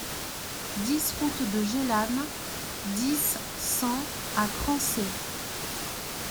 dix route de Gélannes, dix, cent à Crancey